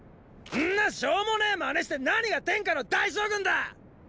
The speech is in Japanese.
んなしょーもねェマネして何が天下の大将軍だァ！